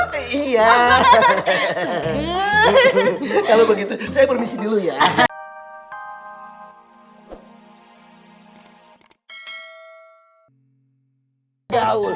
kalau begitu saya permisi dulu ya